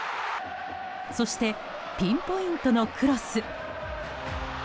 そしてピンポイントのクロス。